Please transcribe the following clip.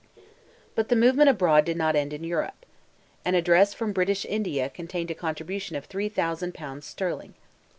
But the movement abroad did not end in Europe. An address from British India contained a contribution of three thousand pounds sterling.